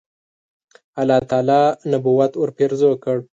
الله تعالی نبوت ورپېرزو کړ.